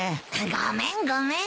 ごめんごめん。